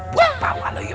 buat pak waluyo